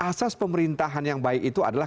asas pemerintahan yang baik itu adalah